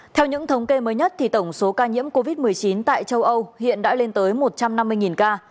theo những thống kê mới nhất thì tổng số ca nhiễm covid một mươi chín tại châu âu hiện đã lên tới một trăm năm mươi ca